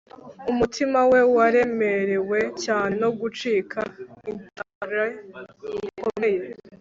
umutima we waremerewe cyane no gucika integer gukomeye